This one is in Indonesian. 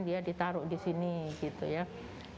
dia ditaruh di sini gitu ya